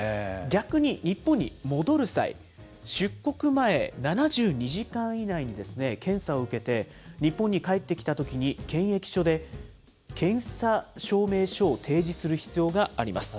逆に日本に戻る際、出国前７２時間以内に検査を受けて、日本に帰ってきたときに、検疫所で検査証明書を提示する必要があります。